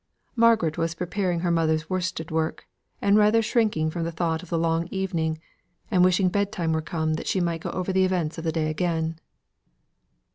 Margaret was preparing her mother's worsted work, and rather shrinking from the thought of the long evening, and wishing bed time were come that she might go over the events of the day again.